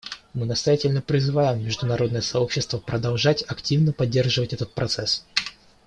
Мы настоятельно призываем международное сообщество продолжать активно поддерживать этот процесс.